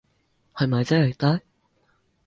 係咪即係得？